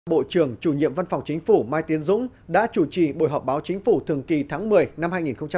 bộ trưởng chủ nhiệm văn phòng chính phủ mai tiến dũng đã chủ trì buổi họp báo chính phủ thường kỳ tháng một mươi năm hai nghìn hai mươi